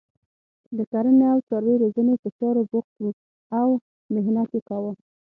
د کرنې او څاروي روزنې په چارو بوخت وو او محنت یې کاوه.